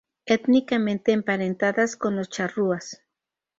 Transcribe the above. Étnicamente emparentadas con los charrúas.